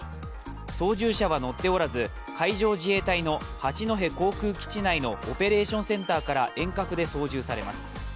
操縦者は乗っておらず海上自衛隊の八戸航空基地内のオペレーションセンターから遠隔で操縦されます。